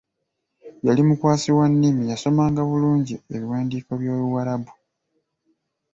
Yali mukwasi wa nnimi yasomanga bulungi ebiwandiiko by'Oluwarabu.